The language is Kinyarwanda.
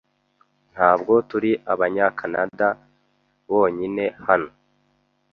Ntabwo turi abanyakanada bonyine hano.